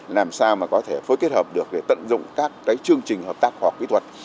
làm sao mà có thể phối kết hợp được để tận dụng các chương trình hợp tác khoa học kỹ thuật